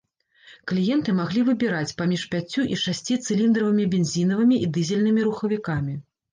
Кліенты маглі выбіраць паміж пяццю- і шасціцыліндравымі бензінавымі і дызельнымі рухавікамі.